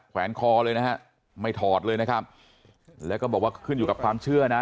แวนคอเลยนะฮะไม่ถอดเลยนะครับแล้วก็บอกว่าขึ้นอยู่กับความเชื่อนะ